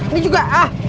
ini juga ah